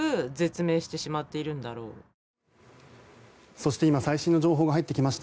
そして今最新の情報が入ってきました。